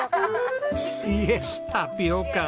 イエスタピオカ！